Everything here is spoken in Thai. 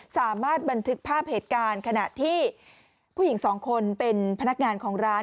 สามารถบันทึกภาพเหตุการณ์ขณะที่ผู้หญิงสองคนเป็นพนักงานของร้าน